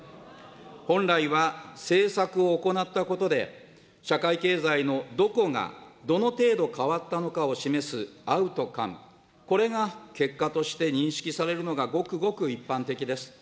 本来は政策を行ったことで社会経済のどこが、どの程度変わったのかを示すアウトカム、これが結果として認識されるのが、ごくごく一般的です。